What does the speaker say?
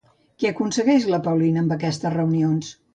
Què va aconseguir la Paulina amb aquestes reunions?